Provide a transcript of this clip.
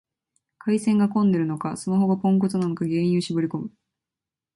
回線が混んでるのか、スマホがポンコツなのか原因を絞りこむ